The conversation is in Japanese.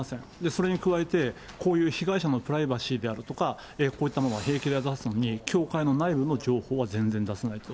それに加えて、こういう被害者のプライバシーであるとか、こういったものを平気で出すのに、教会の内部の情報は全然出さないと。